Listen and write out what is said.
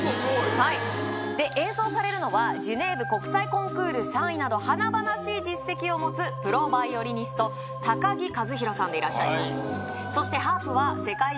はいで演奏されるのはジュネーブ国際コンクール３位など華々しい実績を持つプロバイオリニスト高木和弘さんでいらっしゃいます